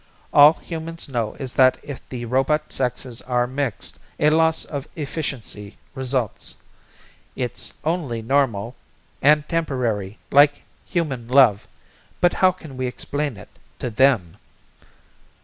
All humans know is that if the robot sexes are mixed a loss of efficiency results. It's only normal and temporary like human love but how can we explain it to them?